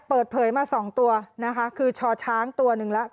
เปิดเผยมา๒ตัวนะคะคือชอช้างตัวหนึ่งแล้ว